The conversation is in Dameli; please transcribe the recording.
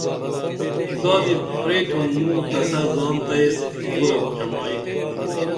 زادی پرتیم موں تسہ زان تہ ایس آگُرہ چمائی